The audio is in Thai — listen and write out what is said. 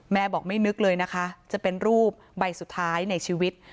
บอกไม่นึกเลยนะคะจะเป็นรูปใบสุดท้ายในชีวิต